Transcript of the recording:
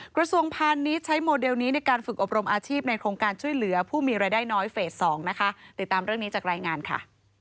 กระทรวงพาณิชย์ใช้โมเดลนี้ในการฝึกอบรมอาชีพในโครงการช่วยเหลือผู้มีรายได้น้อยเฟส๒นะคะติดตามเรื่องนี้จากรายงานค่ะ